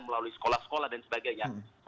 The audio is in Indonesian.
melalui sekolah sekolah dan sebagainya